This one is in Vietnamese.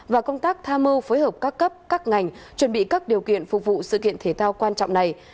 và công tác tham mưu phối hợp các cấp các ngành chuẩn bị các điều kiện phục vụ sự kiện thể thao quan trọng này